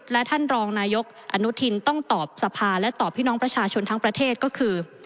และท่านรองนายกอนุทินต้องตอบสภาและตอบพี่น้องประชาชนทั้งประเทศก็คือ